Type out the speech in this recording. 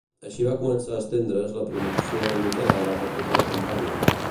Així va començar a estendre's la producció de mozzarella per tota la Campània.